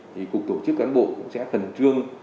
thì cục tổ chức cản bộ cũng sẽ thần trương